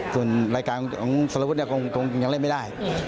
ส่วนรายการของสารวุฒิคงยังเล่นไม่ได้